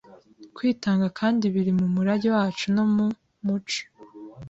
kwitanga kandi biri mu murage wacu no mu muc